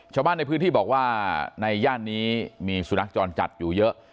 ชาวบ้านในพื้นที่บอกว่าในย่านนี้มีสุนัขจรจัดอยู่เยอะ